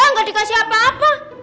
eh gak dikasih apa apa